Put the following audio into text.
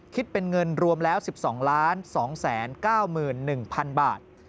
คิดเป็นเงินรวมแล้ว๑๒๒๙๑๐๐๐บาท